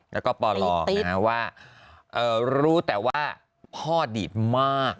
แล้วก็ปลว่ารู้แต่ว่าพ่อดีดมาก